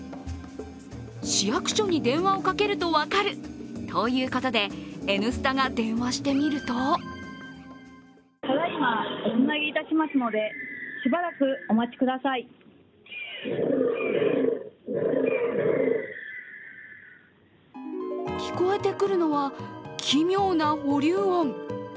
市役所に電話をかけると分かるということで「Ｎスタ」が電話してみると聞こえてくるのは奇妙な保留音。